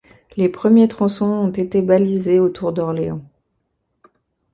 Les premiers tronçons ont été balisés autour d’Orléans.